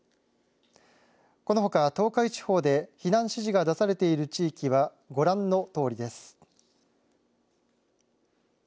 このほか、東海地方で避難指示が出されている地域はご覧のとおりです。